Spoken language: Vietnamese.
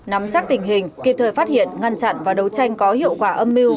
nắm chắc tình hình kịp thời phát hiện ngăn chặn và đấu tranh có hiệu quả âm mưu